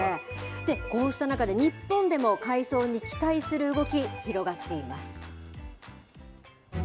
こうした中で、日本でも海藻に期待する動き、広がっています。